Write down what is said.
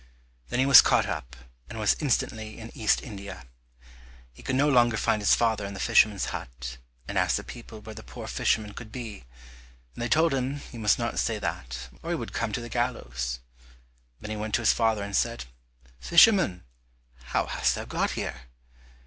Then he was caught up, and was instantly in East India. He could no longer find his father in the fisherman's hut, and asked the people where the poor fisherman could be, and they told him he must not say that, or he would come to the gallows. Then he went to his father and said, "Fisherman, how hast thou got here?"